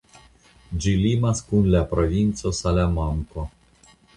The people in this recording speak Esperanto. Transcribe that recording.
Ĝi limas kun la provinco Salamanko.